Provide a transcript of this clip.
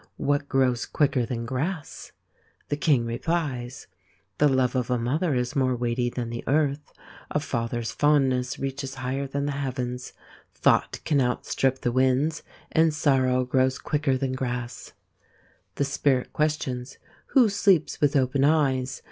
What grows quicker than grass ? The King replies : The love of a mother is more weighty than the earth. A father's fondness reaches 154 THE INDIAN STORY BOOK higher than the heavens. Thought can outstrip the winds, and sorrow grows quicker than grass. The Spirit questions : Who sleeps with open eyes